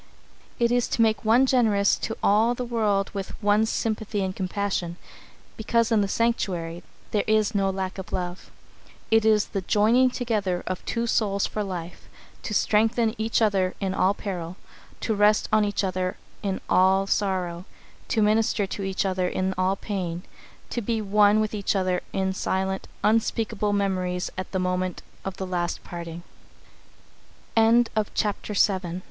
It is to make one generous to all the world with one's sympathy and compassion, because in the sanctuary there is no lack of love. It is "the joining together of two souls for life, to strengthen each other in all peril, to rest on each other in all sorrow, to minister to each other in all pain, to be one with each other in silent, unspeakable memories at the m